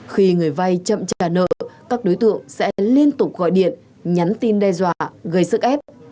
khi người vay chậm trả nợ các đối tượng sẽ liên tục gọi điện nhắn tin đe dọa gây sức ép